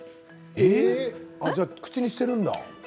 ええ？じゃあ口にしているんだ。